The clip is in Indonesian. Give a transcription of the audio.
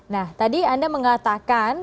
nah tadi anda mengatakan